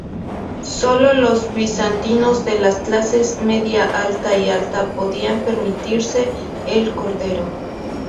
Sólo los bizantinos de las clases media alta y alta podían permitirse el cordero.